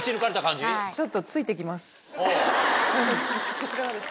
こちらがです。